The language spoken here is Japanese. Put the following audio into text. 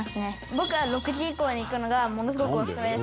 僕は６時以降に行くのがものすごくオススメです」